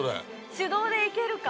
手動でいけるか？